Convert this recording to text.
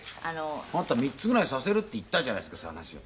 「あなた３つぐらいさせるって言ったじゃないですかそういう話を」